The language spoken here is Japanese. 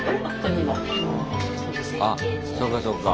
あそうかそうか。